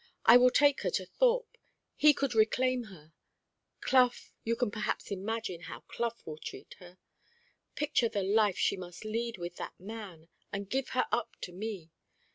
I will take her to Thorpe. He could reclaim her. Clough you can perhaps imagine how Clough will treat her! Picture the life she must lead with that man, and give her up to me.